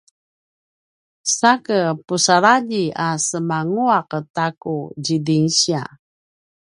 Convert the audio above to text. sake pusaladji a semananguaq ta ku zidingsiya